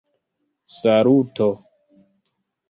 saluto